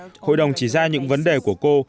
trái lại hội đồng chỉ ra những vấn đề của cô